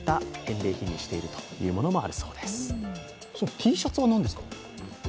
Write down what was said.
Ｔシャツは何ですか？